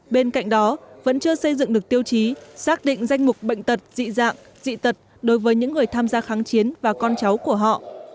bên cạnh đó vẫn chưa xây dựng được tiêu chí xác định danh mục bệnh tật dị dạng dị tật đối với những người tham gia kháng chiến và con cháu của họ